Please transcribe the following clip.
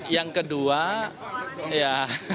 yang kedua ya